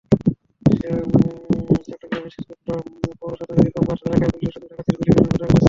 চট্টগ্রামের সীতাকুণ্ড পৌর সদরের ইকোপার্ক এলাকায় পুলিশের সঙ্গে ডাকাতের গুলি বিনিময়ের ঘটনা ঘটেছে।